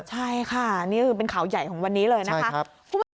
ใช่ค่ะนี่คือเป็นข่าวใหญ่ของวันนี้เลยนะคะ